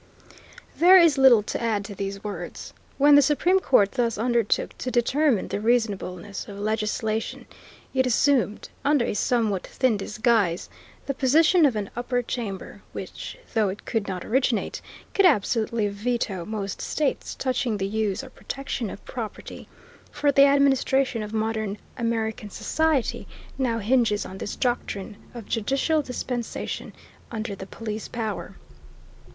There is little to add to these words. When the Supreme Court thus undertook to determine the reasonableness of legislation it assumed, under a somewhat thin disguise, the position of an upper chamber, which, though it could not originate, could absolutely veto most statutes touching the use or protection of property, for the administration of modern American society now hinges on this doctrine of judicial dispensation under the Police Power.